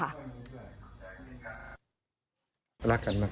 รักกันมากรักกันรัก